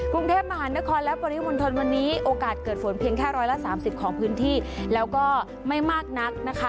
กรุงเทพมหานครและปริมณฑลวันนี้โอกาสเกิดฝนเพียงแค่ร้อยละสามสิบของพื้นที่แล้วก็ไม่มากนักนะคะ